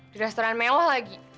di restoran mewah lagi